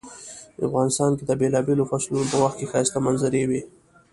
افغانستان کې د بیلابیلو فصلونو په وخت کې ښایسته منظرۍ وی